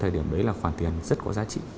đấy là khoản tiền rất có giá trị